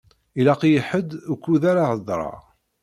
Ilaq-iyi ḥedd ukud ara hedreɣ.